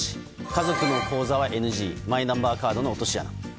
家族の口座はＮＧマイナンバーカードの落とし穴。